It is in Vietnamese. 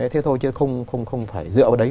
thế thôi chứ không phải dựa vào đấy